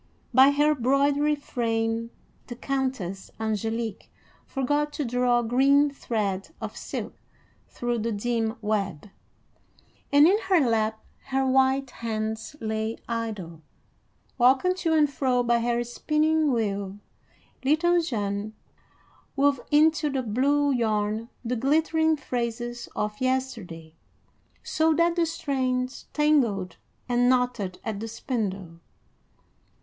By her broidery frame the Countess Angélique forgot to draw green thread of silk through the dim web, and in her lap her white hands lay idle. Walking to and fro by her spinning wheel, little Jeanne wove into the blue yarn the glittering phrases of yesterday, so that the strands tangled and knotted at the spindle.